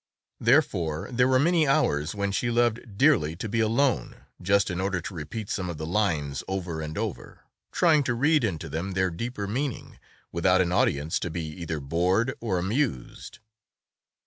Therefore there were many hours when she loved dearly to be alone just in order to repeat some of the lines over and over, trying to read into them their deeper meaning, without an audience to be either bored or amused.